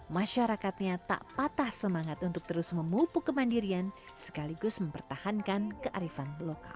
masyarakatnya tak patah semangat untuk terus memupuk kemandirian sekaligus mempertahankan kearifan lokal